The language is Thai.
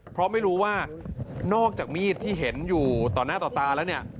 เพราะไม่รู้ว่านอกจากมีดที่เห็นอยู่ต่อหน้าต่อตาแล้วเนี่ย